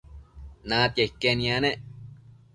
natia iquen yanec